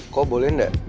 kau boleh gak